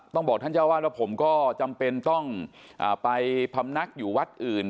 ต้องบอกท่านเจ้าว่าแล้วผมก็จำเป็นต้องไปพรรมนักอยู่วัดอื่น